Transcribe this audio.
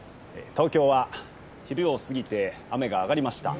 東京は昼を過ぎて雨が上がりました。